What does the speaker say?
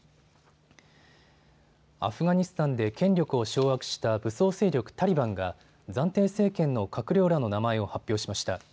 アフガニスタンで権力を掌握した武装勢力タリバンが暫定政権の閣僚らの名前を発表しました。